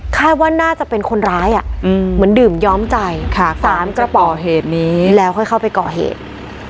คลายว่าน่าจะเป็นคนร้ายอะมีหนึ่งกระเปาะ๓กระเปาะเหนียวเค้าไปก่อเหตุ